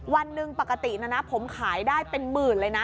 วันหนึ่งปกตินะนะผมขายได้เป็นหมื่นเลยนะ